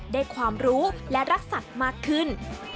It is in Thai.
ได้ความรู้และรักสัตว์มากขึ้น